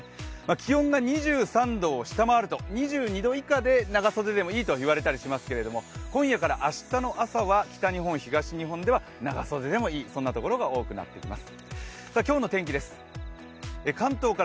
気温が２３度を下回ると、２２度以下で長袖でもいいと言われたりしますが、今夜から明日の朝は北日本、東日本では長袖でもいいそんなところが多くなります。